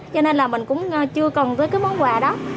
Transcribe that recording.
cho nên là mình cũng chưa cần với cái món quà đó